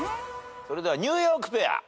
それではニューヨークペア。